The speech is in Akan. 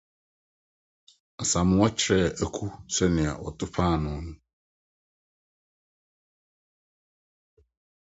Asamoah kyerɛɛ Aku sɛnea wɔto paanoo no.